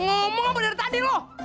ngomong apa dari tadi lu